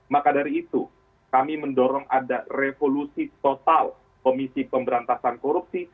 maka dari itu kami mendorong ada revolusi total komisi pemberantasan korupsi